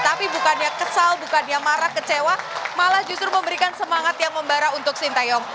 tapi bukannya kesal bukannya marah kecewa malah justru memberikan semangat yang membara untuk sintayong